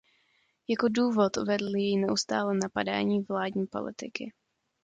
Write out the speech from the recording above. Jako důvod uvedl její neustálé napadání vládní politiky.